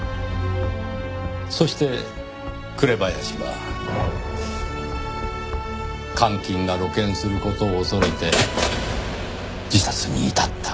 そして紅林は監禁が露見する事を恐れて自殺に至った。